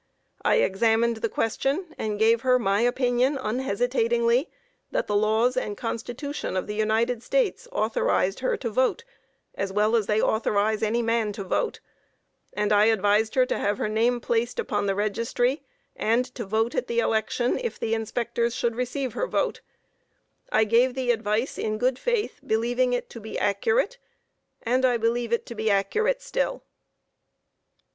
I examined the question, and gave her my opinion, unhesitatingly, that the laws and Constitution of the United States, authorized her to vote, as well as they authorize any man to vote; and I advised her to have her name placed upon the registry and to vote at the election, if the inspectors should receive her vote. I gave the advice in good faith, believing it to be accurate, and I believe it to be accurate still.